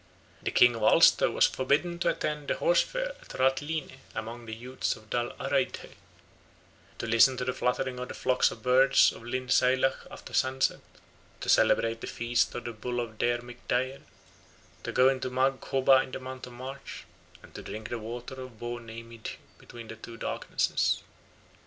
The king of Ulster was forbidden to attend the horse fair at Rath Line among the youths of Dal Araidhe, to listen to the fluttering of the flocks of birds of Linn Saileach after sunset, to celebrate the feast of the bull of Daire mic Daire, to go into Magh Cobha in the month of March, and to drink of the water of Bo Neimhidh between two darknesses.